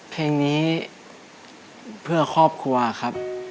เพลงนี้เพื่อครอบครัวครับ